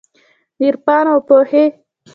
د عرفان اوپو هي